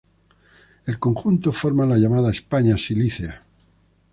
El conjunto forma la llamada España silícea.